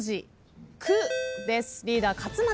リーダー勝俣さん。